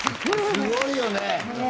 すごいよねえ！